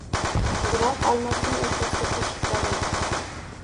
Biroq olmosning oʻrtasida teshik bor edi